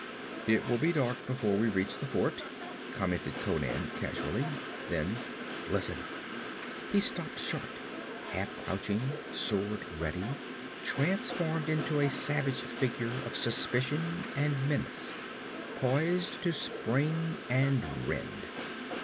'It will be dark before we reach the fort,' commented Conan casually; then: 'Listen!' He stopped short, half crouching, sword ready, transformed into a savage figure of suspicion and menace, poised to spring and rend.